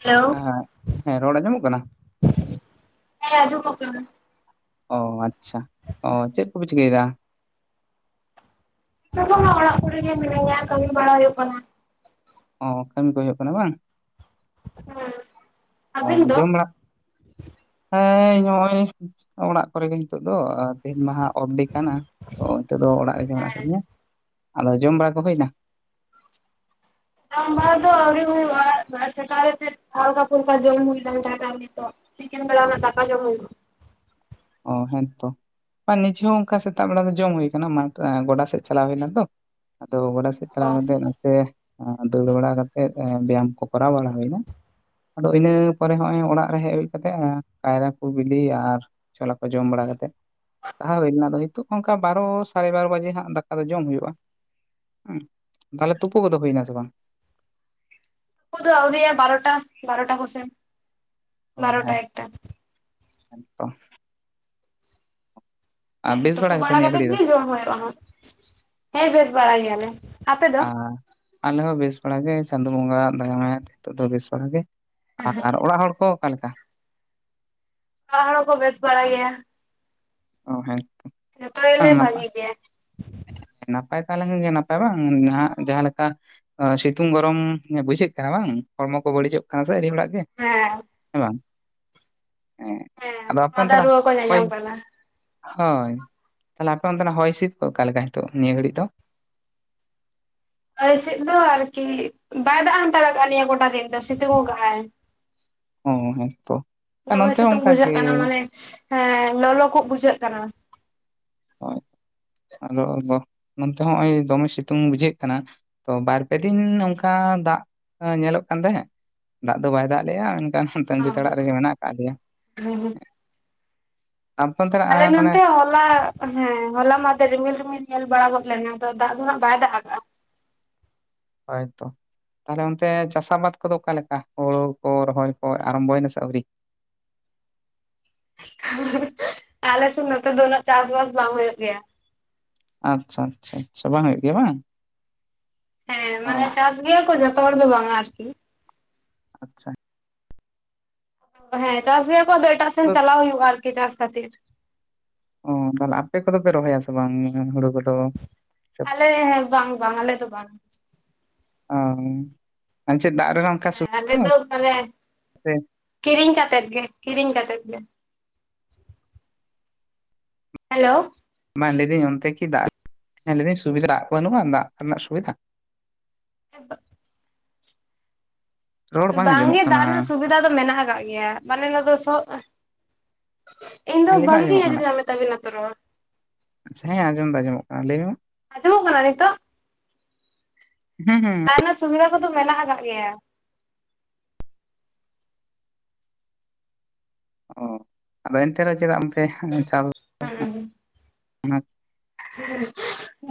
Hello ᱟᱨ ᱦᱮᱸ ᱨᱚᱲ ᱟᱸᱡᱚᱢᱚᱜ ᱠᱟᱱᱟ? ᱦᱮᱸ ᱟᱹᱡᱩᱯ ᱯᱚᱜ ᱠᱟᱱᱟ ᱚ ᱟᱪᱪᱷᱟ ᱚ ᱪᱮᱫ ᱠᱚᱯᱮ ᱪᱤᱠᱟᱹᱭ ᱫᱟ? ᱪᱮᱫ ᱦᱚᱵᱟᱝ ᱚᱲᱟᱜ ᱠᱚᱨᱮ ᱜᱮ ᱢᱤᱱᱟᱹᱧᱟ ᱠᱟᱹᱢᱤ ᱵᱟᱲᱟ ᱦᱩᱭᱩᱜ ᱠᱟᱱᱟ᱾ ᱚ ᱦᱩᱭᱩᱜ ᱠᱟᱱᱟ ᱵᱟᱝ [unintelligible] ᱟᱹᱵᱤᱱ ᱦᱚᱸ ᱫᱚ ᱡᱚᱢ ᱵᱟᱲᱟ ᱦᱮᱸ ᱱᱚᱜᱼᱚᱭ ᱚᱲᱟᱜ ᱠᱚᱨᱮ ᱜᱮ ᱱᱤᱛᱚᱜ ᱫᱚ ᱛᱤᱦᱤᱧ ᱢᱟᱦᱟ ᱚᱯᱷ ᱰᱮ ᱠᱟᱱᱟ ᱛᱚ ᱱᱤᱛᱚᱜ ᱫᱚ ᱚᱲᱟᱜ ᱨᱮᱜᱮ ᱢᱮᱱᱟᱜ ᱦᱮᱸ, ᱟᱠᱟᱫᱤᱧᱟ ᱟᱫᱚ ᱡᱚᱢ ᱵᱟᱲᱟ ᱠᱚ ᱦᱩᱭ ᱱᱟ? ᱡᱚᱢ ᱵᱟᱲᱟ ᱫᱚ ᱟᱹᱣᱨᱤ ᱦᱩᱭᱩᱜᱼᱟ ᱵᱟᱨ ᱥᱮᱠᱟᱨᱮᱛᱮᱫ ᱦᱟᱞᱠᱟ ᱯᱷᱩᱞᱠᱟ ᱡᱚᱢ ᱦᱩᱭ ᱞᱮᱱ ᱛᱟᱦᱮᱱᱟ ᱟᱨ ᱱᱤᱛᱚᱜ ᱛᱤᱠᱤᱱ ᱵᱮᱲᱟ ᱫᱟᱠᱟ ᱡᱚᱢ ᱦᱩᱭᱩᱜ-ᱟ᱾ ᱚ ᱦᱮᱸ ᱛᱚ ᱟᱨ ᱱᱤᱡᱮ ᱦᱚᱸ ᱚᱱᱠᱟ ᱥᱮᱛᱟᱜ ᱵᱮᱲᱟ ᱫᱚ ᱡᱚᱢ ᱦᱩᱭ ᱟᱠᱟᱱᱟ ᱢᱟᱴᱷ ᱮᱸ ᱜᱚᱰᱟ ᱥᱮᱫ ᱪᱟᱞᱟᱣ ᱦᱩᱭ ᱞᱮᱱᱟ ᱛᱚ ᱟᱫᱚ ᱜᱚᱰᱟ ᱥᱮᱫ ᱚ ᱪᱟᱞᱟᱣ ᱠᱟᱛᱮᱫ ᱱᱟᱥᱮ ᱫᱟᱹᱲ ᱵᱟᱲᱟ ᱠᱟᱛᱮᱫ ᱮᱸ ᱵᱮᱭᱟᱢ ᱠᱚ ᱠᱚᱨᱟᱣ ᱵᱟᱲᱟ ᱦᱩᱭᱱᱟ᱾ ᱟᱫᱚ ᱤᱱᱟᱹ ᱯᱚᱨᱮ ᱦᱚᱸᱜ ᱚᱭ ᱚᱲᱟᱜ ᱨᱮ ᱦᱮᱡ ᱦᱩᱭ ᱠᱟᱛᱮᱜ ᱮᱸ ᱠᱟᱭᱨᱟ ᱠᱚ ᱵᱤᱞᱤ ᱟᱨ ᱪᱷᱚᱞᱟ ᱠᱚ ᱡᱚᱢ ᱵᱟᱲᱟ ᱠᱟᱛᱮᱫ ᱞᱟᱦᱟ ᱦᱩᱭᱱᱟ ᱫᱚ ᱦᱤᱛᱳᱜᱽ ᱚᱱᱠᱟ ᱵᱟᱨᱚ ᱥᱟᱲᱮ ᱵᱟᱨᱚ ᱵᱟᱡᱮ ᱦᱟᱸᱜ ᱫᱟᱠᱟ ᱫᱚ ᱡᱚᱢ ᱦᱩᱭᱩᱜᱼᱟ᱾ ᱛᱟᱦᱚᱞᱮ ᱛᱩᱯᱩ ᱠᱚᱫᱚ ᱦᱩᱭᱱᱟ ᱥᱮ ᱵᱟᱝ? ᱛᱩᱯᱩ ᱫᱚ ᱟᱹᱣᱨᱤᱭᱟᱜ-ᱟ ᱵᱟᱨᱚᱴᱟ ᱵᱟᱨᱚᱴᱟ ᱠᱚ ᱥᱮᱱ ᱚ ᱦᱮᱸ ᱦᱮᱸ ᱛᱚ ᱟᱨ ᱦᱮᱸ ᱵᱮᱥ ᱛᱩᱯᱩ ᱜᱮᱛᱚ ᱵᱟᱲᱟ ᱱᱤᱭᱟᱹ ᱠᱟᱛᱮᱫ ᱜᱷᱟᱹᱲᱤᱡ ᱫᱚ ᱜᱮ ᱡᱚᱢ ᱦᱩᱭᱩᱜᱼᱟ ᱦᱟᱸᱜ ᱦᱮᱸ ᱵᱮᱥ ᱵᱟᱲᱟ ᱜᱮᱭᱟᱞᱮ᱾ ᱟᱯᱮ ᱫᱚ ᱟ ᱟᱞᱮ ᱦᱚᱸ ᱵᱮᱥ ᱵᱟᱲᱟ ᱜᱮ ᱪᱟᱸᱫᱳ ᱵᱚᱸᱜᱟᱣᱟᱜ ᱫᱟᱭᱟ ᱢᱟᱭᱟ ᱛᱮ ᱱᱤᱛᱚᱜ ᱫᱚ ᱵᱮᱥ ᱵᱟᱲᱟᱜ ᱜᱮ ᱟᱨ ᱚᱲᱟᱜ ᱦᱚᱲ ᱠᱚ ᱚᱠᱟ ᱞᱮᱠᱟ? ᱚᱲᱟᱜ ᱦᱚᱲ ᱦᱚᱸ ᱠᱚ ᱵᱮᱥ ᱵᱟᱲᱟᱭ ᱜᱮᱭᱟ᱾ ᱚ ᱦᱮᱸ ᱡᱷᱚᱛᱚ ᱜᱮᱞᱮ ᱵᱟᱝ ᱱᱟᱯᱟᱭ ᱵᱷᱟᱜᱤ ᱜᱮᱭᱟ᱾ ᱱᱟᱯᱟᱭ ᱛᱟᱦᱮᱸ ᱞᱮᱱᱠᱷᱟᱱ ᱜᱮ ᱱᱟᱯᱟᱭ ᱵᱟᱝ ᱱᱟᱜ ᱡᱟᱦᱟᱸ ᱞᱮᱠᱟ ᱦᱚᱭ ᱥᱤᱛᱩᱝ ᱜᱚᱨᱚᱢ ᱵᱩᱡᱷᱟᱹᱜ ᱠᱟᱱᱟ ᱵᱟᱝ ᱦᱚᱲᱢᱚ ᱠᱚ ᱵᱟᱹᱲᱤᱡᱚᱜ ᱠᱟᱱᱟ ᱥᱮ ᱟᱹᱰᱤ ᱚᱲᱟᱜ ᱜᱮ ᱦᱮᱸ ᱦᱮᱸ ᱵᱟᱝ ᱦᱮᱸ ᱟᱫᱚ ᱟᱯᱮ ᱢᱟᱫᱟ ᱚᱱᱛᱮᱱᱟᱜ ᱨᱩᱣᱟᱹ ᱠᱚ ᱦᱚᱭ‌ ᱧᱟᱧᱟᱢ ᱠᱟᱱᱟ ᱦᱚᱭ ᱛᱟᱦᱚᱞᱮ ᱟᱯᱮ ᱚᱱᱛᱮᱱᱟᱜ ᱦᱚᱭ ᱦᱤᱸᱥᱤᱫ ᱠᱚ ᱚᱠᱟ ᱞᱮᱠᱟ ᱱᱤᱛᱚᱜ ᱱᱤᱭᱟᱹ ᱜᱷᱟᱹᱲᱤᱡ ᱫᱚ? ᱟᱞᱮ ᱥᱮᱫ ᱫᱚ ᱟᱨᱠᱤ ᱵᱟᱭ ᱫᱟᱜ ᱦᱟᱛᱟᱲ ᱠᱟᱜᱼᱟᱭ ᱱᱤᱭᱟᱹ ᱜᱚᱴᱟ ᱫᱤᱱ ᱫᱚ ᱥᱤᱛᱩᱝ ᱠᱟᱜ-ᱟᱭ᱾ ᱚ ᱦᱮᱸᱛᱚ ᱟᱨ ᱫᱚᱢᱮ ᱱᱚᱱᱛᱮ ᱦᱚᱸ ᱥᱤᱛᱩᱝ ᱚᱱᱠᱟ ᱜᱮ ᱵᱩᱡᱷᱟᱹᱜ ᱠᱟᱱᱟ ᱢᱟᱱᱮ ᱦᱮᱸ ᱞᱚᱞᱚ ᱠᱚᱜ ᱵᱩᱡᱷᱟᱹᱜ ᱠᱟᱱᱟ᱾ ᱦᱚᱭ ᱟᱫᱚ ᱱᱚᱱᱛᱮ ᱦᱚᱸᱜ-ᱚᱭ ᱫᱚᱢᱮ ᱥᱤᱛᱩᱝ ᱵᱩᱡᱷᱟᱹᱜ ᱠᱟᱱᱟ᱾ ᱛᱚ ᱵᱟᱨ ᱯᱮ ᱫᱤᱱ ᱱᱚᱝᱠᱟ ᱫᱟᱜ ᱟᱸ ᱧᱮᱞᱚᱜ ᱠᱟᱱ ᱛᱟᱦᱮᱸᱫ᱾ ᱫᱟᱜ ᱫᱚ ᱵᱟᱭ ᱫᱟᱜ ᱞᱮᱜᱼᱟ ᱮᱱᱠᱷᱟᱱ ᱛᱟᱺᱜᱤ ᱛᱟᱲᱟᱜ ᱨᱮᱜᱮ ᱢᱮᱱᱟᱜ ᱠᱟᱜ ᱞᱮᱭᱟ᱾ ᱟᱯᱮ ᱚᱱᱛᱮᱱᱟᱜ ᱟᱞᱮ ᱢᱟᱱᱮ ᱱᱚᱱᱛᱮ ᱦᱚᱸ ᱦᱚᱞᱟ ᱦᱮᱸ ᱦᱚᱞᱟ ᱢᱟᱸᱫᱮᱨ ᱨᱤᱢᱤᱞ ᱨᱤᱢᱤᱞ ᱧᱮᱞ ᱵᱟᱲᱟ ᱜᱚᱫ ᱞᱮᱱᱟ ᱛᱚ ᱫᱟᱜ ᱫᱚ ᱦᱟᱸᱜ ᱵᱟᱭ ᱫᱟᱜ ᱟᱠᱟᱜᱼᱟ᱾ ᱦᱚᱭ ᱛᱚ ᱛᱟᱦᱚᱞᱮ ᱚᱱᱛᱮ ᱪᱟᱥ ᱟᱵᱟᱫ ᱠᱚᱫᱚ ᱚᱠᱟ ᱞᱮᱠᱟ ᱦᱳᱲᱩ ᱠᱚ ᱨᱚᱦᱚᱭ ᱠᱚ ᱟᱨᱟᱢᱵᱚᱭ ᱱᱟ ᱥᱮ ᱟᱹᱣᱨᱤ? ᱟᱞᱮ ᱥᱮᱱ ᱱᱚᱛᱮ ᱫᱚ ᱩᱱᱟᱹᱜ ᱪᱟᱥᱵᱟᱥ ᱵᱟᱝ ᱦᱩᱭᱩᱜ ᱜᱮᱭᱟ᱾ ᱟᱪᱪᱷᱟ ᱟᱪᱪᱷᱟ ᱟᱪᱪᱷᱟ ᱵᱟᱝ ᱦᱩᱭᱩᱜ ᱜᱮᱭᱟ ᱵᱟᱝ ᱦᱮᱸ ᱚ ᱢᱟᱱᱮ ᱪᱟᱥ ᱜᱮᱭᱟ ᱠᱚ ᱡᱚᱛᱚ ᱦᱚᱲ ᱫᱚ ᱵᱟᱝᱟ ᱟᱨᱠᱤ ᱟᱪᱪᱷᱟ ᱦᱮᱸ ᱪᱟᱥᱤ ᱠᱚᱣᱟᱜ ᱫᱚ ᱮᱴᱟᱜ ᱥᱮᱱ ᱪᱟᱞᱟᱣ ᱦᱩᱭᱩᱜᱼᱟ ᱟᱨ ᱠᱤ ᱪᱟᱥ ᱠᱷᱟᱹᱛᱤᱨ ᱚ ᱛᱟᱦᱞᱮ ᱟᱯᱮ ᱠᱚᱫᱚ ᱯᱮ ᱨᱚᱦᱚᱭ-ᱟ ᱥᱮᱵᱟᱝ ᱦᱳᱲᱳ ᱠᱚᱫᱚ ᱟᱞᱮ ᱦᱚᱸ ᱵᱟᱝ ᱵᱟᱝ ᱟᱞᱮ ᱫᱚ ᱵᱟᱝ ᱚ ᱟᱨ ᱪᱮᱫ ᱫᱟᱜ ᱨᱮᱱᱟᱜ ᱚᱱᱠᱟ ᱦᱮ ᱟᱞᱮ ᱥᱩᱵᱤᱫᱷᱟ ᱫᱚ ᱢᱟᱱᱮ ᱥᱮ ᱠᱤᱨᱤᱧ ᱠᱟᱛᱮᱫ ᱜᱮ ᱠᱤᱨᱤᱧ ᱠᱟᱛᱮᱫ ᱜᱮ ᱦᱮᱞᱳ ᱵᱟᱝ ᱞᱟᱹᱭ ᱫᱟᱹᱧ ᱚᱱᱛᱮ ᱠᱤ ᱫᱟᱜ ᱥᱩᱵᱤᱫᱟ ᱫᱟᱜ ᱵᱟᱹᱱᱩᱜᱼᱟ ᱫᱟᱜ ᱨᱮᱱᱟᱜ ᱥᱩᱵᱤᱫᱷᱟ [inaudible] ᱨᱚᱲ ᱵᱟᱝ ᱟᱸᱡᱚᱢᱚᱜ ᱜᱮ ᱠᱟᱱᱟ ᱫᱟᱜ ᱨᱮᱱᱟᱜ ᱥᱩᱵᱤᱫᱷᱟ ᱫᱚ ᱢᱮᱱᱟᱜ ᱟᱠᱟᱜ ᱜᱮᱭᱟ [unintelligible] ᱤᱧ ᱫᱚ ᱦᱮᱸ ᱞᱟᱹᱭ ᱢᱮ ᱵᱟᱝ ᱜᱤᱧ ᱟᱸᱡᱚᱢᱚᱜ ᱠᱟᱱᱟ ᱟᱸᱡᱚᱢ ᱧᱟᱢ ᱮᱫ ᱛᱟᱵᱮᱱᱟ ᱛᱚ ᱨᱚᱲ ᱦᱮᱸ ᱟᱸᱡᱚᱢ ᱫᱚ ᱟᱸᱡᱚᱢᱚᱜ ᱠᱟᱱᱟ ᱞᱟᱹᱭ ᱢᱮ ᱟᱡᱚᱢᱚᱜ ᱠᱟᱱᱟ ᱱᱤᱛᱚᱜ ᱦᱩᱸ ᱦᱩᱸ ᱨᱮᱱᱟᱜ ᱥᱩᱵᱤᱫᱷᱟ ᱠᱚᱫᱚ ᱢᱮᱱᱟᱜ ᱟᱠᱟᱜ ᱜᱮᱭᱟ ᱚ ᱟᱫᱚ ᱮᱱᱛᱮ ᱨᱮᱦᱚᱸ ᱪᱮᱫᱟᱜ [unintelligible] ᱪᱟᱥ [unintelligible] [unintelligible]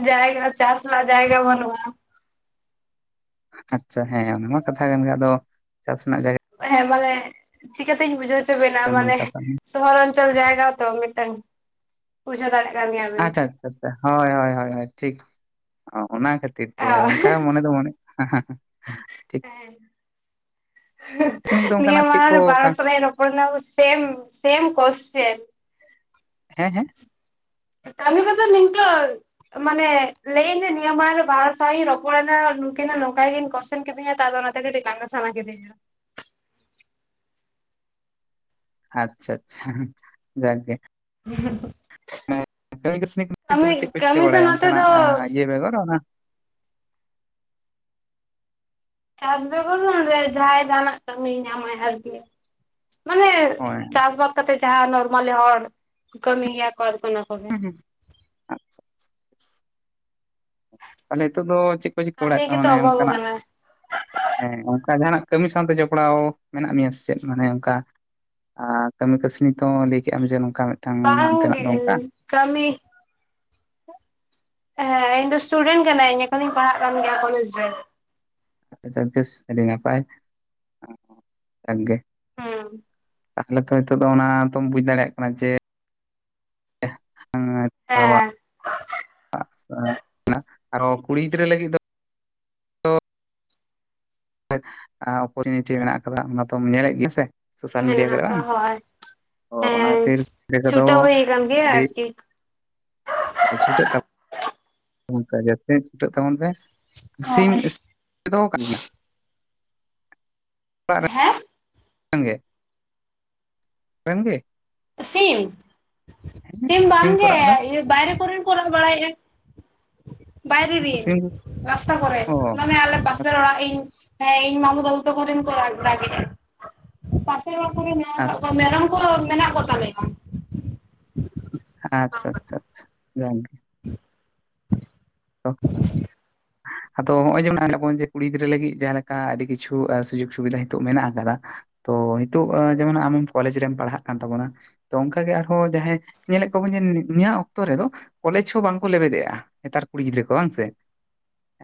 ᱡᱟᱭᱜᱟ ᱪᱟᱥ ᱨᱮᱱᱟᱜ ᱡᱟᱭᱜᱟ ᱵᱟᱹᱱᱩᱜᱼᱟ ᱟᱪᱪᱷᱟ ᱦᱮᱸ ᱚᱱᱟ ᱢᱟ ᱠᱟᱛᱷᱟ ᱠᱟᱱ ᱜᱮᱭᱟ ᱟᱫᱚ ᱪᱟᱥ ᱨᱮᱱᱟᱜ ᱡᱟᱭᱜᱟ ᱦᱮᱸ ᱢᱟᱱᱮ ᱪᱤᱠᱟᱹᱛᱤᱧ ᱵᱩᱡᱷᱟᱹᱣ ᱦᱚᱪᱚ ᱵᱮᱱᱟ ᱢᱟᱱᱮ ᱪᱟᱥᱟ ᱥᱚᱦᱚᱨ ᱚᱧᱪᱚᱞ ᱡᱟᱭᱜᱟ ᱛᱚ ᱢᱤᱫ ᱴᱟᱝ ᱵᱩᱡᱷᱟᱹᱣ ᱫᱟᱲᱮᱭᱟᱜ ᱠᱟᱱ ᱜᱮᱭᱟ ᱵᱤᱱ ᱟᱪᱪᱷᱟ ᱟᱪᱪᱷᱟ ᱟᱪᱪᱷᱟ ᱦᱳᱭ ᱦᱳᱭ ᱦᱳᱭ ᱴᱷᱤᱠ ᱚᱱᱟ ᱠᱷᱟᱹᱛᱤᱨ ᱛᱮ ᱚᱱᱠᱟ ᱦᱮᱸ ᱢᱚᱱᱮ ᱫᱚ ᱢᱚᱱᱮᱜ [unintelligible] ᱦᱮᱸ ᱠᱟᱹᱢᱤ ᱠᱚᱫᱚ ᱱᱤᱭᱟᱹ ᱚᱱᱠᱟᱱᱟᱜ ᱪᱮᱫ ᱢᱟᱲᱟᱝ ᱠᱚ ᱨᱮ ᱵᱟᱨ ᱦᱚᱲ ᱥᱟᱞᱟᱜ ᱤᱧ [unintelligible] [unintelligible] ᱥᱮᱢ ᱥᱮᱢ ᱠᱚᱥ ᱪᱮᱱ ᱦᱮᱸ ᱦᱮᱸ ᱠᱟᱹᱢᱤ ᱠᱚ ᱫᱚ ᱱᱤᱝᱠᱟᱹ ᱢᱟᱱᱮ ᱞᱟᱹᱭ ᱤᱜᱟᱹᱧ ᱱᱤᱭᱟᱹ ᱢᱟᱲᱟᱝ ᱨᱮ ᱵᱟᱨ ᱦᱚᱲ ᱥᱟᱣ ᱤᱧ ᱨᱚᱯᱚᱲᱱᱟ ᱱᱩᱠᱤᱱ ᱦᱚᱸ ᱱᱚᱝᱠᱟ ᱜᱮᱠᱤᱱ ᱠᱚᱥᱪᱮᱱ ᱠᱮᱫᱤᱧᱟ ᱛᱟ ᱟᱫᱚ ᱚᱱᱟ ᱛᱮ [unintelligible] ᱞᱟᱸᱫᱟ ᱥᱟᱱᱟ ᱠᱮᱫᱤᱧᱟ ᱟᱪᱪᱷᱟ ᱪᱷᱟ ᱡᱟᱜ ᱜᱮ [unintelligible] ᱠᱟᱹᱢᱤ ᱠᱟᱹᱥᱱᱤ ᱠᱚ ᱱᱤᱛᱚᱜ ᱫᱚ ᱪᱮᱫ ᱠᱟᱹᱢᱤ ᱠᱚᱯᱮ ᱠᱟᱹᱢᱤ ᱪᱤᱠᱟᱹ ᱫᱚ ᱵᱟᱲᱟᱭᱟ ᱱᱚᱛᱮ ᱚᱱᱠᱟᱱ ᱫᱚ ᱟᱜ ᱤᱭᱟᱹ ᱵᱮᱜᱚᱨ ᱚᱱᱟ ᱪᱟᱥ ᱵᱮᱜᱚᱨ ᱱᱚᱰᱮ ᱡᱟᱦᱟᱸᱭ ᱡᱟᱦᱟᱱ ᱟᱜ ᱠᱟᱹᱢᱤᱭ ᱧᱟᱢᱟᱭ ᱟᱨᱠᱤ ᱢᱟᱱᱮ ᱦᱳᱭ ᱪᱟᱥ ᱵᱟᱫ ᱠᱟᱛᱮᱜ ᱡᱟᱸᱦᱟ ᱱᱚᱨᱢᱟᱞᱤ ᱦᱚᱲ ᱠᱟᱹᱢᱤ ᱜᱮᱭᱟ ᱠᱚ ᱟᱨ ᱠᱚ ᱚᱱᱟ ᱠᱚ ᱜᱮ ᱦᱩᱸ ᱦᱩᱸ [unintelligible] ᱛᱟᱦᱞᱮ ᱱᱤᱛᱚᱜ ᱫᱚ ᱪᱮᱫ ᱠᱚ ᱪᱤᱠᱟᱹ ᱠᱟᱹᱢᱤ [unintelligible] ᱜᱮᱛᱚ ᱢᱟᱱᱮ ᱚᱱᱠᱟ ᱚᱵᱷᱟᱵ ᱱᱟᱜ ᱟᱠᱟᱱᱟ ᱦᱮᱸ ᱚᱱᱠᱟ ᱡᱟᱦᱟ ᱱᱟᱜ ᱠᱟᱹᱢᱤ ᱥᱟᱶ ᱛᱮ ᱡᱚᱯᱲᱟᱣ ᱢᱮᱱᱟᱜ ᱢᱮᱭᱟ ᱥᱮ ᱪᱮᱫ ᱢᱟᱱᱮ ᱚᱱᱠᱟ ᱟᱨ ᱠᱟᱹᱢᱤ ᱠᱟᱹᱥᱱᱤ ᱠᱚ ᱞᱟᱹᱭ ᱠᱮᱜᱟᱢ ᱡᱮ ᱱᱚᱝᱠᱟ ᱢᱤᱫᱴᱟᱝ ᱵᱟᱝ ᱦᱟᱱᱛᱮᱱᱟᱜ ᱜᱮ ᱫᱚ ᱚᱱᱠᱟ ᱠᱟᱹᱢᱤ ᱦᱮᱸ ᱤᱧ ᱫᱚ ᱤᱥᱴᱩᱰᱮᱱᱴ ᱠᱟᱱᱟᱹᱧ ᱮᱠᱷᱚᱱ ᱤᱧ ᱯᱟᱲᱦᱟᱜ ᱠᱟᱱ ᱜᱮᱭᱟ ᱠᱚᱞᱮᱡᱽ ᱨᱮ ᱟᱪᱪᱷᱟ [unintelligible] ᱟᱹᱰᱤ ᱱᱟᱯᱟᱭ ᱡᱟᱠ ᱜᱮ ᱦᱩᱸ ᱛᱟᱦᱚᱞᱮ ᱛᱚ ᱱᱤᱛᱚᱜ ᱫᱚ ᱚᱱᱟ ᱛᱚᱢ ᱵᱩᱡ ᱫᱟᱲᱮᱭᱟᱜ ᱠᱟᱱᱟ ᱡᱮ ᱦᱮᱸ [unintelligible] ᱟᱨ ᱦᱚᱸᱠᱩᱲᱤ ᱜᱤᱫᱽᱨᱟᱹ ᱞᱟᱹᱜᱤᱫ ᱫᱚ ᱩᱯᱚᱨ ᱱᱤᱪᱮ ᱢᱮᱱᱟᱜ ᱟᱠᱟᱫᱟ ᱚᱱᱟ ᱫᱚᱢ ᱧᱮᱞ ᱮᱫ ᱜᱮᱭᱟ ᱥᱮ ᱥᱳᱥᱟᱞ ᱢᱤᱰᱤᱭᱟ ᱢᱮᱱᱟᱜ ᱠᱚᱨᱮ ᱵᱟᱝ ᱟᱠᱟᱜᱟ ᱦᱳᱭ ᱛᱚ ᱚᱱᱟ ᱦᱮᱸ ᱠᱷᱟᱹᱛᱤᱨ ᱠᱚᱫᱚ ᱪᱷᱩᱴᱟᱹᱣ ᱦᱩᱭ ᱟᱠᱟᱱ ᱜᱮᱭᱟ ᱟᱨᱠᱤ ᱦᱳᱭ ᱪᱷᱩᱴᱟᱹᱜ [unintelligible] ᱚᱱᱠᱟ ᱜᱮ ᱡᱟᱹᱥᱛᱤ ᱪᱷᱩᱴᱟᱹᱜ ᱛᱟᱵᱚᱱ ᱯᱮ ᱦᱳᱭ [unintelligible] [unintelligible] ᱜᱮᱭᱟ ᱚᱲᱟᱜ ᱦᱮ [unintelligible] [unintelligible] ᱥᱤᱢ ᱥᱤᱢ ᱠᱚ ᱵᱟᱝᱜᱮ ᱨᱟᱜ ᱮᱫᱟ ᱵᱟᱭᱨᱮ ᱠᱚᱨᱮᱱ ᱠᱚ ᱨᱟᱜ ᱵᱟᱲᱟᱭᱮᱜᱼᱟ ᱵᱟᱭᱨᱮ ᱩᱱᱠᱩ ᱨᱤᱱ ᱥᱤᱢ ᱨᱟᱥᱛᱟ ᱠᱚᱨᱮ ᱚ ᱢᱟᱱᱮ ᱟᱞᱮ [unintelligible] ᱟᱪᱪᱷᱟ [unintelligible] ᱤᱧ ᱤᱧ ᱢᱟᱢᱩ ᱵᱟᱹᱵᱩ ᱛᱟᱠᱚᱨᱮᱱ ᱠᱚ ᱨᱟᱜᱮᱜ ᱟ᱾ ᱟᱪᱪᱷᱟ ᱢᱮᱨᱚᱢ ᱟᱪᱪᱷᱟ ᱠᱚ ᱢᱮᱱᱟᱜ ᱠᱚ ᱛᱟᱞᱮᱭᱟ ᱟᱪᱪᱷᱟ ᱪᱷᱟ ᱪᱷᱟ [unintelligible] [unintelligible] ᱟᱫᱚ ᱱᱚᱜᱼᱚᱭ ᱡᱮ [unintelligible] ᱠᱩᱲᱤ ᱜᱤᱫᱽᱨᱟᱹ ᱞᱟᱹᱜᱤᱫ ᱡᱟᱦᱟᱸ ᱞᱮᱠᱟ ᱟᱹᱰᱤ ᱠᱤᱪᱷᱩ ᱥᱩᱡᱳᱜᱽ ᱥᱩᱵᱤᱫᱷᱟ ᱱᱤᱛᱚᱜ ᱢᱮᱱᱟᱜ ᱟᱠᱟᱫᱟ ᱛᱚ ᱱᱤᱛᱚᱜ ᱡᱮᱢᱚᱱ ᱟᱢ ᱠᱚᱞᱮᱡᱽ ᱨᱮᱢ ᱯᱟᱲᱦᱟᱜ ᱠᱟᱱ ᱛᱟᱵᱚᱱᱟ ᱛᱚ ᱚᱱᱠᱟ ᱜᱮ ᱟᱨᱦᱚᱸ ᱡᱟᱦᱟᱸᱭ ᱧᱮᱞᱮᱫ ᱠᱚᱣᱟᱵᱚᱱ ᱡᱮ ᱱᱤᱭᱟᱹᱜ ᱚᱠᱛᱚ ᱨᱮᱫᱚ ᱠᱚᱞᱮᱡᱽ ᱦᱚᱸ ᱵᱟᱝᱠᱚ ᱞᱮᱵᱮᱫ ᱮᱫᱟ᱾ ᱱᱮᱛᱟᱨ ᱠᱩᱲᱤ ᱜᱤᱫᱽᱨᱟᱹ ᱠᱚ ᱵᱟᱝ ᱥᱮ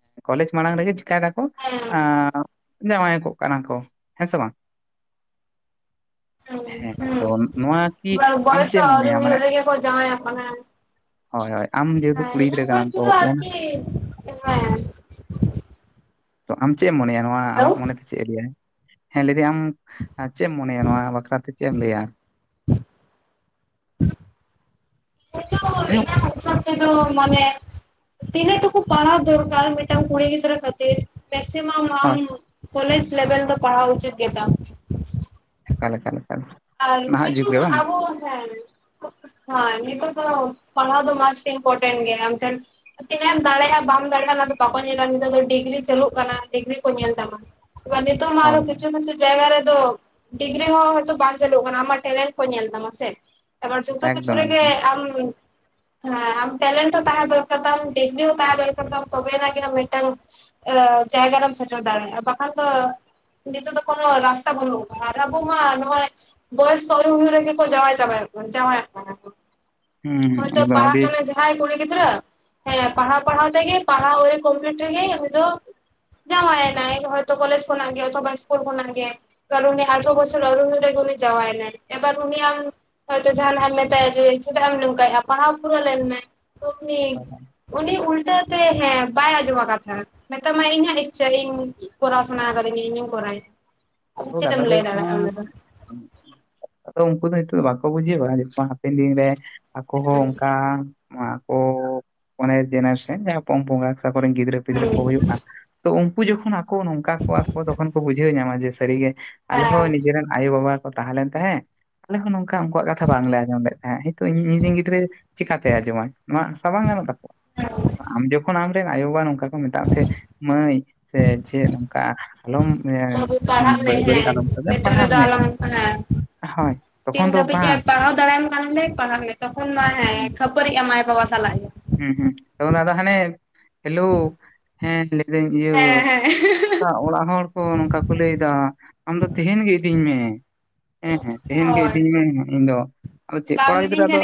[unintelligible] ᱠᱚᱞᱮᱡᱽ ᱢᱟᱲᱟᱝ ᱨᱮᱜᱮ ᱪᱤᱠᱟᱭ ᱮᱫᱟᱠᱚ ᱦᱮᱸ ᱡᱟᱶᱟᱭ ᱠᱚᱜ ᱠᱟᱱᱟ ᱠᱚ ᱦᱮᱸ ᱥᱮ ᱵᱟᱝ [unintelligible] ᱦᱮᱸ ᱟᱫᱚ ᱱᱚᱣᱟ ᱠᱤ ᱦᱮᱸ ᱟᱢ ᱵᱚᱭᱮᱥ ᱪᱮᱫ ᱮᱢ ᱦᱚᱸ ᱟᱹᱣᱨᱤ ᱢᱚᱱᱮᱭᱟ? ᱢᱟᱱᱮ ᱦᱩᱭᱩᱜ ᱨᱮᱜᱮ ᱠᱚ ᱡᱟᱶᱟᱭᱚᱜ ᱠᱟᱱᱟ ᱦᱳᱭ ᱦᱳᱭ ᱟᱢ ᱡᱮᱦᱮᱛᱩ ᱦᱮᱸ ᱠᱩᱲᱤ ᱜᱤᱫᱽᱨᱟᱹ ᱤᱧᱟᱹᱜ ᱢᱚᱱᱮ ᱠᱟᱱᱟᱢ ᱛᱚ ᱛᱮᱫᱚ ᱟᱨ ᱚᱱᱟ ᱠᱤ, [unintelligible] ᱦᱮᱸ᱾ ᱛᱚ ᱟᱢ ᱪᱮᱫ ᱮᱢ ᱢᱚᱱᱮᱭᱟ ᱱᱚᱣᱟ ᱟᱢᱟᱜ ᱦᱮᱞᱳ ᱢᱚᱱᱮᱛᱮ ᱪᱮᱫ ᱮ ᱞᱟᱹᱭᱟ? ᱦᱮᱸ ᱞᱟᱹᱭ ᱮᱫᱟᱹᱧ ᱟᱢ ᱪᱮᱫ ᱮᱢ ᱢᱚᱱᱮᱭᱟ ᱱᱚᱣᱟ ᱵᱟᱠᱷᱨᱟ ᱛᱮ ᱪᱮᱫ ᱮᱢ ᱞᱟᱹᱭᱟ? ᱱᱤᱛᱚᱜ [unintelligible] ᱤᱧᱟᱹᱜ [unintelligible] ᱢᱟᱱᱮ ᱛᱤᱱᱟᱹᱜ ᱴᱩᱠᱩ ᱯᱟᱲᱦᱟᱣ ᱫᱚᱨᱠᱟᱨ ᱢᱤᱫᱴᱟᱝ ᱠᱩᱲᱤ ᱜᱤᱫᱽᱨᱟᱹ ᱠᱷᱟᱹᱛᱤᱨ ᱢᱮᱠᱥᱤᱢᱟᱢ ᱟᱢ ᱦᱳᱭ ᱠᱚᱞᱮᱡᱽ ᱞᱮᱵᱮᱞ ᱫᱚ ᱯᱟᱲᱦᱟᱣ ᱩᱪᱤᱛ ᱜᱮᱛᱟᱢ᱾ ᱮᱠᱟᱞ ᱮᱠᱟᱞ ᱮᱠᱟᱞ᱾ ᱟᱨ ᱢᱤᱫ ᱱᱟᱦᱟᱜ ᱡᱩᱜᱽ ᱨᱮ ᱴᱟᱝ, ᱵᱟᱝ ᱟᱵᱚ ᱦᱮᱸ ᱦᱮᱸ ᱱᱤᱛᱚᱜ ᱫᱚ ᱯᱟᱲᱦᱟᱣ ᱫᱚ ᱢᱟᱥᱴ ᱤᱱᱯᱚᱴᱮᱱᱴ ᱜᱮ ᱟᱢ ᱴᱷᱮᱱ ᱛᱤᱱᱟᱹᱜ ᱮᱢ ᱫᱟᱲᱮᱭᱟᱜᱼᱟ ᱵᱟᱢ ᱫᱟᱲᱮᱭᱟᱜᱼᱟ ᱚᱱᱟᱫᱚ ᱵᱟᱠᱚ ᱧᱮᱞᱟ ᱱᱤᱛᱚᱜ ᱫᱚ ᱰᱤᱜᱽᱨᱤ ᱪᱟᱹᱞᱩᱜ ᱠᱟᱱᱟ ᱰᱤᱜᱽᱨᱤ ᱠᱚ ᱧᱮᱞ ᱛᱟᱢᱟ᱾ ᱱᱤᱛᱚᱜ ᱢᱟ ᱟᱨᱚ ᱦᱳᱭ ᱦᱳᱭ ᱠᱤᱪᱷᱩ ᱠᱤᱪᱷᱩ ᱡᱟᱭᱜᱟ ᱨᱮᱫᱚ ᱰᱤᱜᱽᱨᱤ ᱦᱚᱸ ᱦᱚᱭᱛᱚ ᱵᱟᱝ ᱪᱟᱹᱞᱩᱜ ᱠᱟᱱᱟ᱾ ᱟᱢᱟᱜ ᱴᱮᱞᱮᱱᱴ ᱠᱚ ᱧᱮᱞ ᱛᱟᱢᱟ ᱥᱮ ᱮᱵᱟᱨ ᱡᱚᱛᱚ ᱠᱤᱪᱷᱩ ᱮᱠᱫᱚᱢ ᱨᱮᱜᱮ ᱮᱠᱫᱚᱢ ᱟᱢ ᱦᱮᱸ, ᱟᱢ ᱴᱮᱞᱮᱱᱴ ᱦᱚᱸ ᱛᱟᱦᱮᱸ ᱫᱚᱨᱠᱟᱨ ᱛᱟᱢ ᱰᱤᱜᱽᱨᱤ ᱦᱚᱸ ᱛᱟᱦᱮᱸ ᱫᱚᱨᱠᱟᱨ ᱛᱟᱢ ᱛᱚᱵᱮ ᱮᱱᱟᱝ ᱜᱮ ᱢᱤᱫᱴᱟᱝ [unintelligible] ᱡᱟᱭᱜᱟ ᱨᱮᱢ ᱥᱮᱴᱮᱨ ᱫᱟᱲᱮᱭᱟᱜᱼᱟ ᱵᱟᱠᱷᱟᱱ ᱫᱚ ᱱᱤᱛᱚᱜ ᱫᱚ ᱠᱚᱱᱚ ᱨᱟᱥᱛᱟ ᱵᱟᱹᱱᱩᱜ ᱟᱠᱟᱫᱟ ᱟᱨ ᱟᱵᱚ ᱢᱟ ᱱᱚᱜᱼᱚᱭ ᱵᱚᱭᱚᱥ ᱠᱚ ᱟᱣᱨᱤ ᱦᱩᱭᱩᱜ ᱨᱮᱜᱮ ᱠᱚ ᱡᱟᱶᱟᱭ ᱪᱟᱵᱟᱭᱮᱫ ᱵᱚᱱᱟ, ᱡᱟᱶᱟᱭᱚᱜ ᱠᱟᱱᱟ [unintelligible] ᱦᱩᱸ ᱦᱚᱭᱛᱚ ᱮᱠᱫᱚᱢ ᱯᱟᱲᱦᱟᱜ ᱟᱹᱰᱤ ᱠᱟᱱᱟ ᱡᱟᱸᱦᱟᱭ ᱠᱩᱲᱤ ᱜᱤᱫᱽᱨᱟᱹ ᱦᱮᱸ ᱯᱟᱲᱦᱟᱣ ᱯᱟᱲᱦᱟᱣ ᱛᱮᱜᱮ ᱯᱟᱲᱦᱟᱣ ᱟᱣᱨᱤ ᱠᱚᱢᱯᱞᱤᱴ ᱨᱮᱜᱮᱭ ᱩᱱᱤ ᱫᱚ ᱡᱟᱶᱟᱭ ᱮᱱᱟᱭ ᱦᱚᱭᱛᱚ ᱠᱚᱞᱮᱡᱽ ᱠᱷᱚᱱᱟᱜ ᱜᱮ ᱚᱛᱷᱚᱵᱟ ᱤᱥᱠᱩᱞ ᱠᱷᱚᱱᱟᱜ ᱜᱮ᱾ ᱩᱱᱤ ᱟᱴᱷᱨᱚ ᱵᱚᱪᱷᱚᱨ ᱟᱣᱨᱤ ᱦᱩᱭᱩᱜ ᱨᱮᱜᱮ ᱩᱱᱤ ᱡᱟᱶᱟᱭ ᱮᱱᱟᱭ ᱮᱵᱟᱨ ᱩᱱᱤ ᱟᱢ ᱦᱚᱭᱛᱚ ᱡᱟᱦᱟᱱᱟᱜᱼᱮᱢ ᱢᱮᱛᱟᱭᱟ ᱡᱮ ᱪᱮᱫᱟᱜ ᱮᱢ ᱱᱚᱝᱠᱟᱭᱮᱫᱼᱟ ᱯᱟᱲᱦᱟᱣ ᱯᱩᱨᱟᱹᱣ ᱞᱮᱱ ᱢᱮ ᱛᱚ ᱦᱳᱭ ᱦᱳᱭ ᱩᱱᱤ ᱩᱱᱤ ᱩᱞᱴᱟᱹ ᱛᱮ ᱦᱮᱸ ᱵᱟᱭ ᱟᱸᱡᱚᱢᱟ ᱠᱟᱛᱷᱟ ᱢᱮᱛᱟᱢᱟᱭ ᱤᱧᱟᱜ ᱤᱪᱪᱷᱟᱹ ᱤᱧ ᱠᱚᱨᱟᱣ ᱥᱟᱱᱟ ᱟᱠᱟᱫᱤᱧᱟ ᱤᱧ [unintelligible] ᱟᱫᱚ ᱛᱚ ᱪᱮᱫ ᱠᱟᱛᱷᱟ ᱮᱢ ᱫᱚ ᱞᱟᱹᱭ ᱦᱩᱭᱩᱜ ᱠᱟᱱᱟ ᱫᱟᱲᱮᱭᱟᱜ-ᱟ᱾ [unintelligible] ᱟᱫᱚ ᱩᱱᱠᱩ ᱫᱚ ᱱᱤᱛᱚᱜ ᱫᱚ ᱵᱟᱠᱚ ᱵᱩᱡᱷᱟᱹᱣᱟ᱾ ᱡᱚᱠᱦᱚᱱ ᱦᱟᱸᱜ ᱦᱟᱯᱮᱱ ᱫᱤᱱ ᱨᱮ ᱟᱠᱚ ᱦᱚᱸ ᱚᱱᱠᱟ ᱱᱚᱣᱟ ᱠᱚ ᱢᱟᱱᱮ ᱡᱮᱱᱟᱨᱮᱥᱚᱱ ᱡᱟᱦᱟᱸ ᱯᱚᱝ ᱯᱚᱝᱲᱟ ᱥᱮ ᱟᱠᱚ ᱠᱚᱨᱮᱱ ᱜᱤᱫᱽᱨᱟᱹ ᱦᱩᱸ ᱯᱤᱫᱽᱨᱟᱹ ᱠᱚ ᱦᱩᱭᱩᱜ-ᱟ ᱛᱚ ᱩᱱᱠᱩ ᱡᱚᱠᱷᱚᱱ ᱟᱠᱚ ᱱᱚᱝᱠᱟ ᱠᱚᱣᱟ ᱠᱚᱣᱟ ᱠᱚ ᱛᱚᱠᱷᱚᱱ ᱠᱚ ᱵᱩᱡᱷᱟᱹᱣ ᱧᱟᱢᱟ ᱡᱮ ᱥᱟᱹᱨᱤᱜᱮ ᱟᱞᱮ ᱦᱮᱸ ᱦᱚᱸ ᱱᱤᱡᱮᱨᱮᱱ ᱟᱭᱳ ᱵᱟᱵᱟ ᱠᱚ ᱛᱟᱦᱮᱸ ᱞᱮᱱ ᱛᱟᱦᱮᱸᱫ ᱟᱞᱮ ᱦᱚᱸ ᱱᱚᱝᱠᱟ ᱩᱱᱠᱩᱣᱟᱜ ᱠᱟᱛᱷᱟ ᱵᱟᱝᱞᱮ ᱟᱸᱡᱚᱢ ᱞᱮᱫ ᱛᱟᱸᱦᱮᱫ ᱱᱤᱛᱚᱜ ᱤᱧᱨᱮᱱ ᱜᱤᱫᱽᱨᱟᱹ ᱪᱮᱠᱟᱛᱮ ᱟᱸᱡᱚᱢᱟᱭ ᱱᱚᱣᱟ ᱟᱥᱟ ᱵᱟᱝ ᱜᱟᱱᱚᱜ ᱛᱟᱠᱚᱣᱟ ᱦᱮᱸ ᱟᱢ ᱡᱚᱠᱷᱚᱱ ᱟᱢᱨᱮᱱ ᱟᱭᱳ ᱵᱟᱵᱟ ᱱᱚᱝᱠᱟ ᱠᱚ ᱢᱮᱛᱟᱜ ᱢᱮ ᱛᱟᱦᱮᱸᱫ ᱢᱟᱹᱭ ᱥᱮ ᱪᱮᱫ ᱱᱚᱝᱠᱟ ᱟᱞᱚᱢ ᱵᱟᱹᱵᱩ ᱯᱟᱲᱦᱟᱜ ᱢᱮ [unintelligible] ᱵᱟᱹᱲᱤᱡ ᱦᱮᱸ ᱟᱞᱚᱢ ᱠᱷᱚᱢᱟ ᱱᱤᱛᱚᱜ ᱯᱟᱲᱦᱟᱜ ᱨᱮᱫᱚ ᱢᱮ ᱟᱞᱚᱢ ᱦᱮᱸ ᱦᱳᱭ ᱛᱤᱱ ᱛᱚᱠᱷᱚᱱ ᱫᱚ ᱫᱷᱟᱹᱵᱤᱡ ᱮ ᱵᱟᱝ ᱯᱟᱲᱦᱟᱣ ᱫᱟᱲᱮᱭᱟᱢ ᱠᱟᱱᱟᱞᱮ ᱯᱟᱲᱦᱟᱜ ᱢᱮ ᱛᱚᱠᱷᱚᱱ ᱢᱟ ᱦᱩᱸ ᱦᱮᱸ ᱠᱷᱟᱹᱯᱟᱹᱨᱤᱜ ᱟᱢ ᱟᱭᱳ ᱵᱟᱵᱟ ᱥᱟᱞᱟᱜ᱾ ᱦᱩᱸ ᱦᱩᱸᱦᱩᱸ᱾ᱛᱚᱠᱷᱚᱱ ᱫᱚ ᱟᱫᱚ ᱦᱟᱱᱮ ᱦᱮᱞᱚ ᱦᱮᱸ ᱞᱟᱹᱭ ᱫᱟᱹᱧ ᱤᱭᱟᱹ ᱦᱮᱸ ᱦᱮᱸ [unintelligible] ᱚᱲᱟᱜ ᱦᱚᱲ ᱠᱚ ᱱᱚᱝᱠᱟ ᱠᱚ ᱞᱟᱹᱭᱫᱟ ᱟᱢᱫᱚ ᱛᱮᱦᱮᱱ ᱜᱮ ᱤᱫᱤᱧ ᱢᱮ᱾ ᱦᱮᱸ ᱦᱮᱸ ᱛᱮᱦᱮᱧ ᱜᱮ ᱦᱳᱭ ᱤᱫᱤᱧ ᱢᱮ ᱤᱧ ᱫᱚ ᱟᱫᱚ ᱪᱮᱫ ᱠᱚᱲᱟ ᱜᱤᱫᱽᱨᱟᱹ ᱟᱫᱚ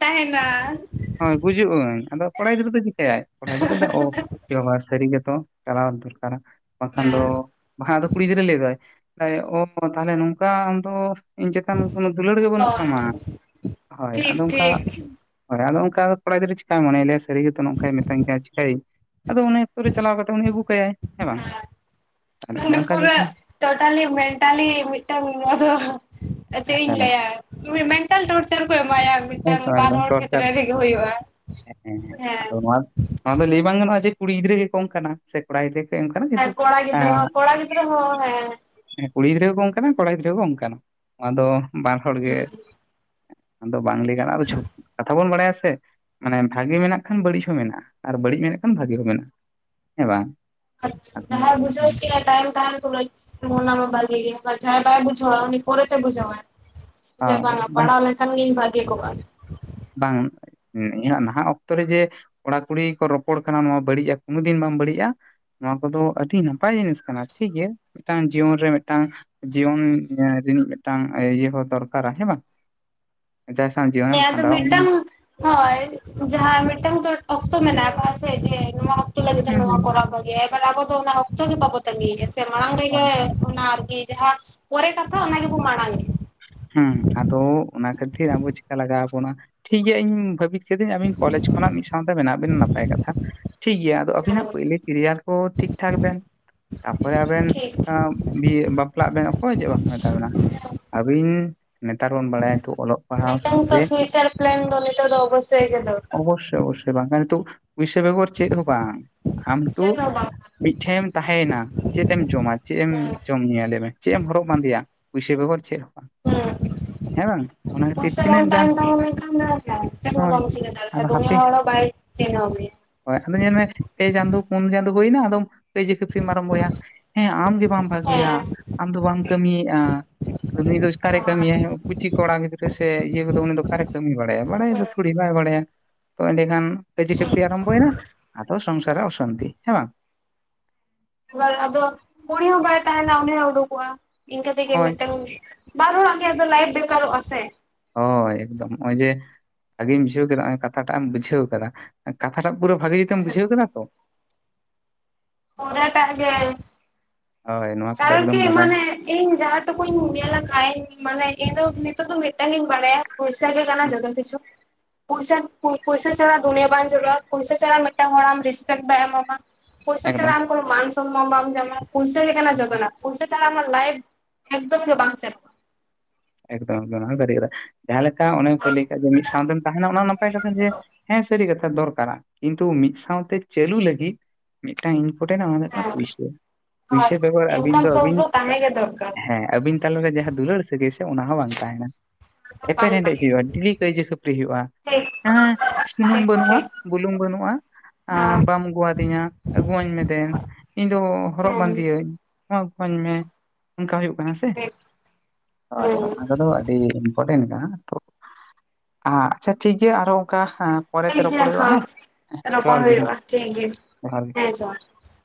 ᱛᱟᱦᱮᱱ [unintelligible] ᱦᱳᱭ ᱜᱩᱡᱩᱜ ᱟᱹᱧ ᱟᱫᱚ ᱠᱚᱲᱟ ᱜᱤᱫᱽᱨᱟᱹ ᱫᱚ ᱪᱤᱠᱟᱹᱭᱟᱭ ᱠᱚᱲᱟ ᱜᱤᱫᱽᱨᱟᱹ ᱫᱚ [unintelligible] ᱮ ᱵᱟᱵᱟ ᱥᱟᱹᱨᱤ ᱜᱮᱛᱚ ᱪᱟᱞᱟᱣ ᱫᱚᱨᱠᱟᱨᱟ ᱵᱟᱝᱠᱷᱟᱱ ᱫᱚ ᱦᱮᱸ ᱵᱟᱠᱷᱟᱱ ᱟᱫᱚ ᱠᱩᱲᱤ ᱜᱤᱫᱽᱨᱟᱹᱭ ᱞᱟᱹᱭ ᱮᱫᱟᱭ ᱚ ᱛᱟᱦᱞᱮ ᱱᱚᱝᱠᱟ ᱟᱢᱫᱚ ᱤᱧ ᱪᱮᱛᱟᱱ ᱠᱳᱱᱳ ᱫᱩᱞᱟᱹᱲ ᱜᱮ ᱵᱟᱹᱱᱩᱜ ᱦᱳᱭ ᱛᱟᱢᱟ᱾ᱦᱳᱭ ᱴᱷᱤᱠ ᱟᱫᱚ ᱚᱱᱠᱟ ᱴᱷᱤᱠ ᱦᱳᱭ ᱟᱫᱚ ᱚᱱᱠᱟ ᱠᱚᱲᱟ ᱜᱤᱫᱽᱟᱹ ᱪᱤᱠᱟᱭ ᱢᱚᱱᱮᱭᱟ ᱞᱟᱹᱭᱟᱭ ᱥᱟᱹᱨᱤ ᱜᱮᱛᱚ ᱱᱚᱝᱠᱟᱭ ᱢᱮᱛᱟᱧ ᱠᱟᱱᱟ ᱪᱮᱠᱟᱭᱟᱹᱧ ᱟᱫᱚ ᱩᱱᱤ ᱟᱠᱛᱚ ᱨᱮ ᱪᱟᱞᱟᱣ ᱠᱟᱛᱮ ᱩᱱᱤ ᱟᱹᱜᱩ ᱠᱟᱭ ᱦᱮᱸ ᱵᱟᱝ? ᱛᱟᱦᱚᱞᱮ ᱚᱱᱠᱟ ᱡᱚᱠᱷᱚᱱ [inaudible] ᱴᱳᱴᱟᱞᱤ ᱢᱮᱱᱴᱟᱞᱤ ᱢᱤᱫᱴᱟᱹᱱ ᱱᱚᱣᱟ ᱫᱚ ᱪᱮᱫ ᱤᱧ ᱦᱮᱸ ᱞᱟᱹᱭᱟ ᱾ ᱢᱮᱱᱴᱟᱞ ᱴᱚᱨᱪᱟᱨ ᱠᱚ ᱮᱢᱟᱭᱟ ᱢᱤᱫᱴᱟᱝ ᱦᱮᱸᱛᱚ ᱵᱟᱨ ᱮᱠᱫᱚᱢ ᱦᱚᱲ ᱠᱷᱮᱛᱨᱮ ᱴᱚᱨᱪᱟᱨ ᱨᱮᱜᱮ ᱦᱩᱭᱩᱜᱼᱟ ᱾ ᱦᱮᱸ ᱟᱫᱚ ᱱᱚᱣᱟ ᱱᱚᱣᱟ ᱫᱚ ᱞᱟᱹᱭ ᱵᱟᱝ ᱜᱟᱱᱚᱜᱼᱟ ᱡᱮ ᱠᱩᱲᱤ ᱜᱤᱫᱽᱨᱟᱹ ᱜᱮ ᱠᱚ ᱚᱱᱠᱟᱱᱟ ᱥᱮ ᱠᱚᱲᱟ ᱜᱤᱫᱽᱨᱟᱹ ᱜᱮ ᱠᱚ [unintelligible] ᱠᱟᱱᱟ ᱡᱮᱦᱮᱛᱩ ᱦᱮᱸ ᱠᱚᱲᱟ ᱮ ᱜᱤᱫᱽᱨᱟᱹ [unintelligible] ᱦᱮᱸ ᱦᱮᱸ ᱠᱩᱲᱤ ᱜᱤᱫᱽᱨᱟᱹ ᱦᱚᱸᱠᱚ ᱚᱱᱠᱟᱱᱟ ᱠᱚᱲᱟ ᱜᱤᱫᱽᱨᱟᱹ ᱦᱚᱸ ᱠᱚ ᱚᱱᱠᱟᱱᱟ ᱟᱫᱚ ᱵᱟᱨ ᱦᱚᱲ ᱜᱮ ᱦᱮᱸ ᱟᱫᱚ ᱵᱟᱝ ᱞᱟᱹᱭ ᱜᱟᱱᱚᱜᱟ [inaudible] ᱠᱟᱛᱷᱟ ᱵᱚᱱ ᱵᱟᱲᱟᱭᱟ ᱥᱮ ᱢᱟᱱᱮ ᱵᱷᱟᱜᱮ ᱢᱮᱱᱟᱜ ᱠᱷᱟᱱ ᱵᱟᱹᱲᱤᱡ ᱦᱚᱸ ᱢᱮᱱᱟᱜᱼᱟ ᱟᱨ ᱵᱟᱹᱲᱤᱡ ᱢᱮᱱᱟᱜ ᱠᱷᱟᱱ ᱵᱷᱟᱜᱮ ᱦᱚᱸ ᱢᱮᱱᱟᱜᱼᱟ ᱦᱮᱸ ᱵᱟᱝ ᱾ ᱡᱟᱦᱟᱭ ᱵᱩᱡᱷᱟᱹᱣ ᱠᱤᱱᱟ ᱴᱟᱭᱤᱢ ᱛᱟᱦᱮᱱ ᱛᱚᱩᱡ ᱟᱱᱟ ᱢᱟ ᱵᱷᱟᱜᱤ ᱜᱮ ᱟᱨ ᱡᱟᱷᱟᱭ ᱵᱟᱭ ᱵᱩᱡᱣᱟ ᱩᱱᱤ ᱯᱨᱮᱛᱮ ᱵᱩᱡᱷᱣᱟᱭ ᱡᱮ ᱵᱟᱝ ᱟ ᱯᱟᱲᱟᱣ ᱞᱮᱱᱠᱷᱟᱱ ᱜᱤᱧ ᱵᱷᱟᱜᱮ ᱠᱚᱜᱼᱟ ᱾ ᱵᱟᱝ ᱤᱧᱟᱹᱜ ᱱᱟᱦᱟᱜ ᱚᱠᱛᱚ ᱨᱮ ᱡᱮ ᱠᱚᱲᱟ ᱠᱩᱲᱤ ᱠᱚ ᱨᱚᱯᱚᱲ ᱠᱟᱱᱟ ᱱᱚᱣᱟ ᱵᱟᱹᱲᱤᱡᱼᱟ ᱠᱚᱱᱚ ᱫᱤᱱ ᱵᱟᱝ ᱵᱟᱹᱲᱤᱡᱼᱟ ᱾ ᱱᱚᱣᱟ ᱠᱚᱫᱚ ᱟᱹᱰᱤ ᱱᱟᱯᱟᱭ ᱡᱤᱱᱤᱥ ᱠᱟᱱᱟ ᱴᱷᱤᱠ ᱜᱮᱭᱟ ᱢᱤᱫᱴᱟᱝ ᱡᱤᱭᱚᱱ ᱨᱮ ᱢᱤᱫᱴᱟᱝ ᱡᱤᱭᱚᱱ ᱨᱤᱱᱤᱡ ᱢᱤᱫᱴᱟᱝ ᱤᱭᱟᱹ ᱦᱚᱸ ᱫᱚᱨᱠᱟᱨᱟ ᱦᱮᱸ ᱵᱟᱝ ᱡᱟᱦᱟᱸᱭ ᱥᱟᱶ ᱡᱤᱭᱚᱱ ᱦᱮᱸ ᱟᱫᱚ ᱢᱤᱫᱴᱟᱝ ᱦᱚᱭ ᱡᱟᱦᱟᱸ ᱢᱤᱫᱴᱟᱝ ᱫᱚ ᱚᱠᱛᱚ ᱢᱮᱱᱟᱜ ᱟᱠᱟᱫ ᱥᱮ ᱡᱮ ᱱᱚᱣᱟ [unintelligible] ᱞᱟᱹᱜᱤᱫ ᱛᱮ ᱦᱩᱸ ᱱᱚᱣᱟ ᱦᱩᱸ ᱠᱚᱨᱟᱣ ᱠᱚ ᱜᱮ ᱮᱠᱟᱞ ᱟᱵᱚ ᱫᱚ ᱚᱱᱟ ᱚᱠᱛᱚ ᱜᱮ ᱵᱟᱵᱚ ᱛᱟᱜᱤᱭᱮᱫᱼᱟ ᱥᱮ ᱢᱟᱲᱟᱝ ᱦᱳᱭ ᱨᱮᱜᱮ ᱦᱳᱭ ᱚᱱᱟ ᱟᱨᱠᱤ ᱡᱟᱦᱟᱸ ᱯᱚᱨᱮ ᱠᱟᱛᱷᱟ ᱚᱱᱟ ᱜᱮᱵᱚᱱ ᱢᱟᱲᱟᱝ ᱦᱩᱸ ᱟᱫᱚ ᱚᱱᱟ ᱠᱷᱟᱹᱛᱤᱨ ᱟᱵᱚ ᱪᱤᱠᱟ ᱞᱟᱜᱟᱣ ᱵᱚᱱᱟ ᱴᱷᱤᱠ ᱜᱮᱭᱟ ᱤᱧ ᱵᱷᱵᱤ ᱥᱮ ᱫᱤᱱ ᱟᱵᱤᱱ ᱠᱚᱞᱮᱡᱽ ᱠᱷᱚᱱᱟᱜ ᱢᱤᱫ ᱥᱟᱶ ᱛᱮ ᱢᱮᱱᱟᱜ ᱵᱤᱱᱟ ᱱᱟᱯᱟᱭ ᱠᱟᱛᱷᱟ ᱾ ᱴᱷᱤᱠ ᱜᱮᱭᱟ ᱟᱫᱚ ᱮᱫᱟ᱾ ᱟᱵᱤᱱᱟᱜ ᱯᱚᱭᱞᱚ ᱠᱮᱨᱤᱭᱟᱨ ᱠᱚ ᱴᱷᱤᱠ ᱴᱷᱟᱠ ᱵᱮᱱ ᱾ ᱛᱟᱯᱚᱨᱮ ᱟᱵᱮᱱ ᱴᱷᱤᱠ [unintelligible] ᱵᱟᱯᱞᱟᱜ ᱵᱮᱱ ᱚᱠᱚᱭ ᱦᱚ ᱪᱮᱫ ᱵᱟᱠᱚ ᱢᱮᱛᱟ ᱵᱮᱱᱟ ᱾ [unintelligible] ᱱᱮᱛᱟᱨ ᱵᱚᱱ ᱵᱟᱲᱟᱭᱟ ᱛᱚ ᱚᱞᱚᱜ ᱯᱟᱲᱦᱟᱣ ᱢᱤᱫᱴᱟᱝ ᱥᱟᱶᱛᱮ ᱛᱚ ᱯᱷᱤᱭᱩᱪᱟᱨ ᱯᱞᱮᱱ ᱫᱚ ᱱᱤᱛᱚᱜ ᱫᱚ ᱚᱵᱚᱥᱥᱳᱭ ᱜᱮ ᱫᱚᱨᱠᱟᱨ ᱚᱵᱚ [unintelligible] ᱵᱟᱝ ᱠᱷᱟᱱ ᱱᱤᱛᱚᱜ ᱯᱩᱭᱥᱟᱹ ᱵᱮᱜᱚᱨ ᱪᱮᱫ ᱦᱚᱸ ᱵᱟᱝ ᱟᱢ ᱛᱚ ᱪᱮᱫ ᱦᱚᱸ ᱵᱟᱝ ᱠᱟᱱᱟ᱾ ᱢᱤᱫ ᱴᱷᱮᱢ ᱛᱟᱦᱮ ᱭᱮᱱᱟᱢ ᱪᱮᱫ ᱮᱢ ᱡᱚᱢᱟ ᱪᱮᱫ ᱮᱢ ᱦᱮᱸ ᱡᱚᱢ ᱧᱩᱭᱟ ᱞᱟᱹᱭ ᱢᱮ ᱪᱮᱫ ᱮᱢ ᱦᱚᱨᱚᱜ ᱵᱟᱸᱫᱮᱭᱟ ᱯᱩᱭᱥᱟᱹ ᱵᱮᱜᱚᱨ ᱪᱮᱫᱽ ᱦᱚ ᱦᱩᱸ ᱦᱮᱸ ᱵᱟᱝ ᱠᱷᱟᱹᱛᱤᱨ ᱯᱩᱭᱥᱟᱹ ᱵᱟᱝ ᱛᱤᱱᱟᱹᱜ ᱜᱟᱱ ᱛᱟᱦᱮᱱ ᱛᱟᱢᱟ ᱢᱮᱱᱠᱟᱷᱟᱱ ᱫᱚ ᱪᱮᱫ ᱦᱚ ᱦᱳᱭ ᱵᱟᱢ ᱪᱤᱠᱟᱹ ᱫᱟᱲᱮ ᱫᱩᱱᱤᱭᱟᱹ ᱦᱚᱲ ᱦᱚ ᱵᱟᱭ ᱪᱤᱱᱷᱟᱹᱣ ᱢᱮᱭᱟ ᱦᱚᱭ ᱟᱫᱚ ᱧᱮᱞᱢᱮ ᱯᱮ ᱪᱟᱸᱫᱚᱚ ᱯᱩᱱ ᱪᱟᱸᱫᱚᱚ ᱦᱩᱭᱱᱟ ᱟᱫᱚᱢ ᱠᱟᱹᱭᱡᱟ ᱠᱷᱟᱹᱯᱟᱹᱨᱤᱢ ᱟᱨᱟᱢ ᱵᱚᱭᱟ ᱦᱮᱸ ᱟᱢ ᱜᱮ ᱵᱟᱢ ᱵᱷᱟᱹᱜᱮᱭᱟ ᱦᱮᱸ ᱟᱢ ᱫᱚ ᱵᱟᱢ ᱠᱟᱹᱢᱤᱭᱮᱫᱼᱟ ᱟᱫᱚ ᱱᱩᱭ ᱫᱚ ᱚᱠᱟᱨᱮ ᱠᱟᱹᱢᱤᱭᱟᱭ ᱠᱩᱪᱤ ᱠᱚᱲᱟ ᱜᱤᱫᱽᱨᱟᱹ ᱥᱮ ᱤᱭᱟᱹ ᱠᱚᱫᱚ ᱩᱱᱤ ᱫᱚ ᱚᱠᱟᱨᱮ ᱠᱟᱹᱢᱤ ᱵᱟᱲᱟᱭᱟ ᱵᱟᱲᱟᱭ ᱫᱚ ᱛᱷᱩᱲᱤ ᱵᱟᱭ ᱵᱟᱲᱭᱟ ᱛᱚ ᱮᱸᱰᱮᱠᱷᱟᱱ ᱠᱟᱹᱭᱡᱟᱹ [unintelligible] ᱟᱨᱟᱢᱵᱚᱭᱱᱟ ᱟᱫᱚ ᱥᱚᱝᱥᱟᱨ ᱟᱜ ᱚᱥᱟᱱᱛᱤ ᱦᱮᱸ ᱵᱟᱝ? [unintelligible] ᱟᱫᱚ ᱠᱩᱲᱤ ᱦᱚᱸ ᱵᱟᱭ ᱛᱟᱦᱮᱸᱱᱟ ᱩᱱᱤ ᱦᱚᱸ ᱩᱰᱩᱠᱚᱜᱼᱟ ᱤᱱᱠᱟᱹ ᱛᱮᱜᱮ ᱦᱳᱭ ᱢᱤᱫᱴᱟᱝ ᱵᱟᱨ ᱦᱚᱲ ᱟᱜ ᱜᱮ ᱟᱫᱚ ᱞᱟᱹᱭᱯᱷ ᱵᱮᱠᱟᱨᱚᱜᱼᱟ ᱥᱮ ᱾ ᱦᱚᱭ ᱮᱠᱫᱚᱢ ᱱᱚᱜᱼᱚᱭ ᱡᱮ ᱵᱷᱟᱜᱮᱢ ᱵᱩᱡᱷᱟᱹᱣ ᱠᱮᱫᱟ ᱱᱚᱜ ᱠᱟᱛᱷᱟᱴᱟᱜ ᱮᱢ ᱵᱩᱡᱷᱟᱹᱣ ᱠᱟᱫᱟ ᱾ ᱠᱟᱛᱷᱟ ᱴᱟᱜ ᱯᱩᱨᱟᱹ ᱵᱷᱟᱜᱤ ᱡᱩᱛᱮᱢ ᱵᱩᱡᱷᱟᱹᱣ ᱠᱟᱫᱟ ᱛᱚ? ᱯᱩᱨᱟᱹᱴᱟᱜ ᱜᱮ᱾ ᱦᱳᱭ ᱱᱚᱣᱟ ᱠᱚᱫᱚ ᱠᱟᱨᱚᱱ ᱮᱠᱫᱚᱢ ᱠᱤ ᱵᱟᱰᱟᱭ ᱢᱟᱱᱮ ᱤᱧ ᱡᱟᱦᱟᱸ ᱴᱩᱠᱩᱧ ᱧᱮᱞ ᱟᱠᱟ ᱤᱧ ᱢᱟᱱᱮ ᱤᱧ ᱫᱚ ᱱᱤᱛᱚᱜ ᱫᱚ ᱢᱤᱫᱴᱟᱝ ᱜᱤᱧ ᱵᱟᱲᱟᱭᱟ- ᱯᱩᱭᱥᱟ ᱜᱮ ᱠᱟᱱᱟ ᱡᱚᱛᱚ ᱠᱤᱪᱷᱩ᱾ ᱯᱩᱭᱥᱟ ᱯᱩᱭᱥᱟ ᱪᱷᱟᱲᱟ ᱫᱩᱱᱭᱟᱹ ᱵᱟᱝ ᱪᱟᱹᱞᱩᱜᱼᱟ ᱯᱩᱭᱥᱟ ᱪᱷᱟᱲᱟ ᱢᱤᱫᱴᱟᱝ ᱦᱚᱲ ᱟᱢ ᱨᱮᱥᱯᱮᱠᱴ ᱵᱟᱭ ᱮᱢᱟᱢᱟ᱾ ᱯᱩᱭᱥᱟᱹ ᱮᱠᱫᱚᱢ ᱪᱷᱟᱲᱟ ᱟᱢ ᱠᱚᱱᱚ ᱢᱟᱱ ᱥᱚᱢᱢᱟᱱ ᱵᱟᱢ ᱡᱟᱢᱟ ᱯᱩᱭᱥᱟᱹ ᱜᱮ ᱠᱟᱱᱟ ᱡᱚᱛ᱾ ᱠᱟᱱᱟ ᱯᱩᱭᱥᱟᱹ ᱪᱷᱟᱲᱟ ᱟᱢᱟᱜ ᱞᱟᱭᱤᱯᱷ ᱮᱠᱫᱚᱢ ᱜᱮ ᱵᱟᱝ ᱥᱮᱱᱚᱜ ᱮᱠᱫᱚᱢ ᱮᱠᱫᱚᱢ ᱚᱱᱟ ᱦᱚ ᱥᱟᱹᱨᱤ ᱠᱟᱱᱟ ᱡᱟᱦᱟᱸ ᱞᱮᱠᱟ ᱚᱱᱮᱢ ᱠᱩᱞᱤᱭ ᱠᱷᱟᱡ ᱡᱮ ᱢᱤᱫ ᱥᱟᱶᱛᱮᱢ ᱛᱟᱦᱮᱱᱟ ᱚᱱᱟ ᱦᱚ ᱱᱟᱯᱟᱭ ᱠᱟᱛᱷᱟ ᱡᱮ ᱦᱮᱸ ᱥᱟᱹᱨᱤ ᱠᱟᱛᱷᱟ ᱫᱚᱨᱠᱟᱨᱟ ᱠᱤᱱᱛᱩ ᱢᱤᱫ ᱥᱟᱶᱛᱮ ᱪᱟᱹᱞᱩ ᱞᱟᱹᱜᱤᱫ ᱢᱤᱫᱴᱟᱝ ᱤᱱᱯᱚᱨᱴᱮᱱᱴ ᱟ ᱚᱱᱟ ᱫᱚ ᱦᱩᱭᱩᱜ ᱠᱟᱱᱟ ᱦᱮᱸ ᱯᱩᱭᱥᱟᱹ, ᱟᱨ ᱯᱩᱭᱥᱟᱹ ᱵᱮᱜᱚᱨ ᱟᱹᱵᱤᱱ ᱤᱱᱠᱟᱢ ᱫᱚ ᱥᱳᱨᱥ ᱟᱹᱵᱤᱱ ᱛᱟᱦᱮᱸ ᱜᱮ ᱫᱚᱨᱠᱟᱨ ᱦᱮᱸ ᱟᱵᱤᱱ ᱛᱟᱞᱟ ᱨᱮ ᱡᱟᱦᱟᱸ ᱫᱩᱞᱟᱹᱲ ᱥᱟᱹᱜᱟᱹᱭ ᱥᱮ, ᱚᱱᱟ ᱦᱚᱸ ᱵᱟᱝ ᱛᱟᱦᱮᱸᱱᱟ ᱟᱫᱚ ᱵᱟᱝ ᱮᱯᱮᱨᱦᱮᱰᱮᱡ ᱛᱟᱦᱮᱸ ᱦᱩᱭᱩᱜᱼᱟ, ᱰᱮᱞᱤ ᱠᱟᱹᱭᱡᱟᱹ ᱠᱷᱟᱹᱯᱟᱹᱨᱤ ᱦᱩᱭᱩᱜᱼᱟ᱾ ᱴᱷᱤᱠ ᱦᱮᱸ ᱦᱮᱸ ᱥᱩᱱᱩᱢ ᱴᱷᱤᱠ ᱵᱟᱹᱱᱩᱜᱼᱟ ᱴᱷᱤᱠ ᱵᱩᱞᱩᱝ ᱵᱟᱹᱱᱩᱜᱼᱟ᱾ ᱟᱸ ᱦᱮᱸ ᱵᱟᱢ ᱟᱹᱜᱩᱣᱟᱫᱤᱧᱟ ᱟᱹᱜᱩᱣᱟᱹᱧ ᱢᱮ ᱫᱮᱱ ᱤᱧ ᱫᱚ ᱦᱚᱨᱚᱜ ᱦᱮᱸ ᱵᱟᱸᱫᱤᱭᱟᱹᱧ᱾ ᱢᱟᱯᱷ ᱠᱟᱹᱧ ᱢᱮ ᱚᱱᱠᱟ ᱦᱩᱭᱩᱜ ᱠᱟᱱᱟ ᱴᱷᱤᱠ ᱥᱮ᱾ ᱴᱷᱤᱠ᱾ ᱦᱚᱭ ᱦᱮᱸ ᱚᱱᱟ ᱠᱚᱫᱚ ᱟᱹᱰᱤ ᱤᱢᱯᱚᱴᱮᱱ ᱠᱟᱱᱟ᱾ ᱛᱚ ᱦᱟᱸ ᱟᱪᱪᱷᱟ ᱴᱷᱤᱠ ᱜᱮᱭᱟ ᱟᱨᱚ ᱚᱝᱠᱟ᱾ᱦᱟᱸ ᱯᱚᱨᱮ ᱛᱮ ᱴᱷᱤᱠ ᱨᱚᱯᱚᱲ ᱜᱮᱭᱟ ᱦᱩᱭᱩᱜᱼᱟ ᱦᱮᱸ ᱦᱮᱸ ᱨᱚᱯᱚᱲ ᱡᱚᱦᱟᱨ ᱜᱮ ᱦᱮᱸ ᱦᱩᱭᱩᱜᱼᱟ ᱴᱷᱤᱠ ᱜᱮᱭᱟ ᱡᱚᱦᱟᱨ ᱜᱮ᱾ ᱦᱮᱸ ᱡᱚᱦᱟᱨ